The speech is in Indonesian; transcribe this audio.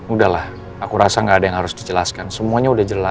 udahlah aku rasa gak ada yang harus dijelaskan semuanya udah jelas